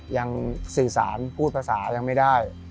ยังสื่อสารพูดภาษายังไม่ได้